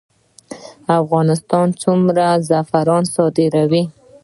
افغانستان څومره زعفران صادروي؟